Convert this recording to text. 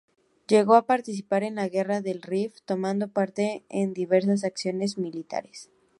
Llegó a participar en la Guerra del Rif, tomando parte en diversas acciones militares.